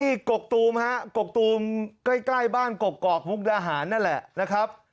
กกตูมฮะกกตูมใกล้บ้านกกอกมุกดาหารนั่นแหละนะครับ